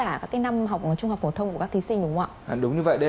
hoặc là học tập trung vào một môn nào đó